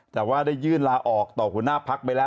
แต่ว่าได้ยื่นลาออกต่อหัวหน้าพักไปแล้ว